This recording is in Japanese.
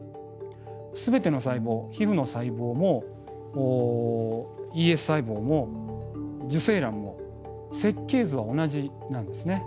全ての細胞皮ふの細胞もＥＳ細胞も受精卵も設計図は同じなんですね。